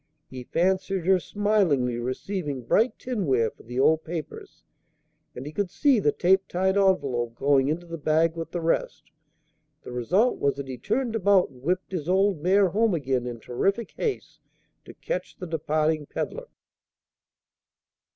He fancied her smilingly receiving bright tin ware for the old papers; and he could see the tape tied envelope going into the bag with the rest. The result was that he turned about and whipped his old mare home again in terrific haste, to catch the departing peddler.